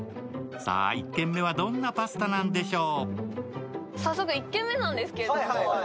さぁ１軒目はどんなパスタなんでしょう。